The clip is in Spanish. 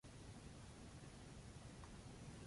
Destacó en el campo de la dermatología.